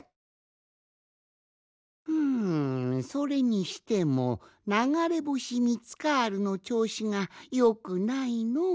ふんそれにしてもながれぼしミツカールのちょうしがよくないのう。